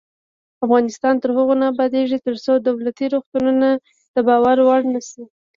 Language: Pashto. افغانستان تر هغو نه ابادیږي، ترڅو دولتي روغتونونه د باور وړ نشي.